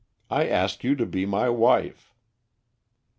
I ask you to be my wife."